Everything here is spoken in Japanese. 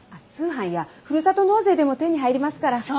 通販やふるさと納税でも手に入りますから。